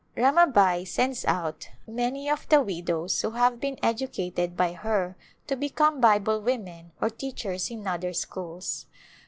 Ramabai sends out many of the widows who have been educated by her to become Bible women or teachers in other schools.